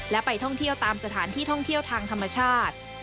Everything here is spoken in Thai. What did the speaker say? และไปท่องเที่ยวตามสถานที่ท่องเที่ยวทางธรรมชาติ